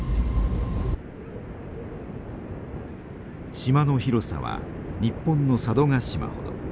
島の広さは日本の佐渡島ほど。